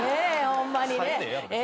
ホンマにね。